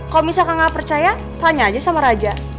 kalau misalkan nggak percaya tanya aja sama raja